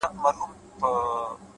ځكه دنيا مي ته يې ـ